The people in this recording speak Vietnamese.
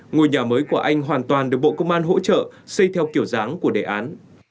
ngôi nhà mới của anh hoàn toàn được bộ công an hỗ trợ xây theo kiểu dáng của đề án